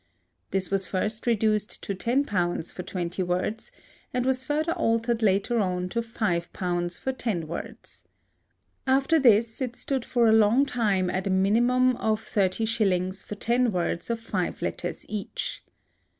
This was first reduced to £10 for twenty words, and was further altered later on to £5 for ten words. After this it stood for a long time at a minimum of 30s. for ten words of five letters each.